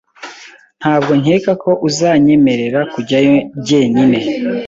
Ntabwo nkeka ko uzanyemerera kujyayo jyenyine.